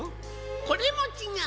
これもちがう。